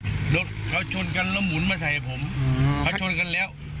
รถเขาชนกันแล้วหมุนมาใส่ผมเขาชนกันแล้ว